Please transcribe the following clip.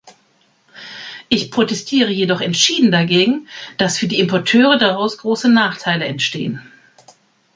Ich protestiere jedoch entschieden dagegen, dass für die Importeure daraus große Nachteile entstehen.